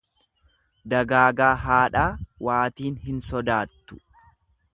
Dagaagaa haadhaa waatiin hin sodaattu.